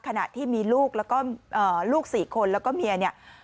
ขณะที่มีลูกแล้วก็ลูก๔คนแล้วก็เมียเนี่ย